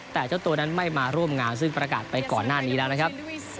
แต่เจ้าตัวนั้นไม่มาร่วมงานซึ่งประกาศไปก่อนหน้านี้แล้วนะครับ